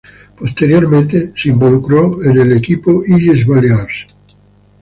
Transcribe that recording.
Posteriormente se involucró en el equipo Illes Balears.